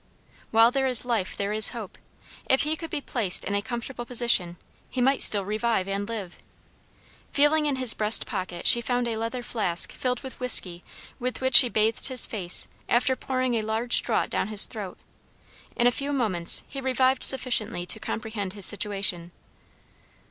While there is life there is hope. If he could be placed in a comfortable position he might still revive and live. Feeling in his breast pocket she found a leather flask filled with whisky with which she bathed his face after pouring a large draught down his throat. In a few moments he revived sufficiently to comprehend his situation.